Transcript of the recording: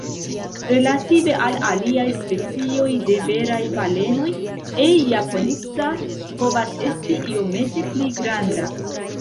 Relative al aliaj specioj de veraj balenoj, "E. japonica" povas esti iomete pli granda.